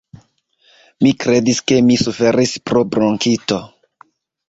Mi kredis ke mi suferis pro bronkito!